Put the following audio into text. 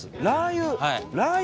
ラー油？